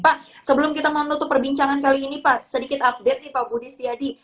pak sebelum kita mau menutup perbincangan kali ini pak sedikit update nih pak budi setiadi